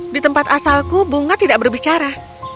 di tempat asalku bunga tidak berbicara